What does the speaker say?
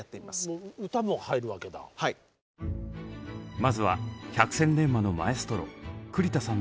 まずは百戦錬磨のマエストロ栗田さんのお手本です。